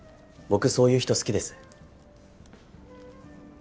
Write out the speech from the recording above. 僕そういう人好きです。